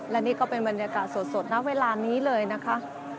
และนี่ก็เป็นบรรยากาศสดนะเวลานี้เลยนะคะ